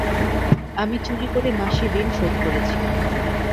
আমি চুরি করে মাসির ঋণ শোধ করেছি।